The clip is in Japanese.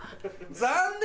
残念！